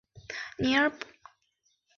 尼泊尔内战发动的一场内战。